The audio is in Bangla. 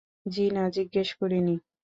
জ্বি-না, জিজ্ঞেস করি নি।